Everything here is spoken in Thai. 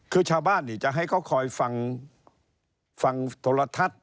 คือชาวบ้านจะให้เขาคอยฟังโทรทัศน์